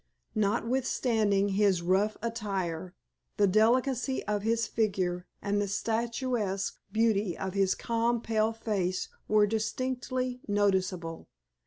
Notwithstanding his rough attire, the delicacy of his figure and the statuesque beauty of his calm, pale face were distinctly noticeable.